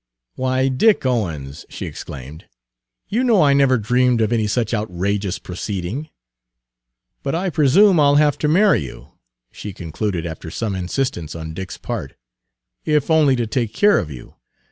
"Why, Dick Owens!" she exclaimed. "You know I never dreamed of any such outrageous proceeding. "But I presume I'll have to marry you," she concluded, after some insistence on Dick's part, "if only to take care of you.